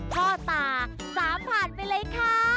อ้อพ่อตาสามผ่านไปเลยค่ะ